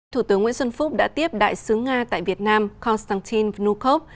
thủ tướng nguyễn xuân phúc đã tiếp đại sứ nga tại việt nam konstantin vnukov